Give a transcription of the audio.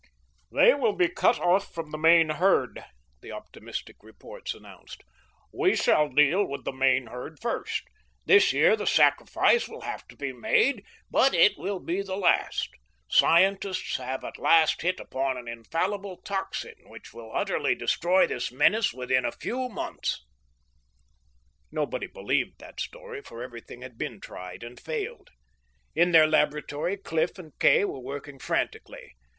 "They will be cut off from the main herd," the optimistic reports announced. "We shall deal with the main herd first. This year the sacrifice will have to be made, but it will be the last. Scientists have at last hit upon an infallible toxin which will utterly destroy this menace within a few months." Nobody believed that story, for everything had been tried and failed. In their laboratory Cliff and Kay were working frantically.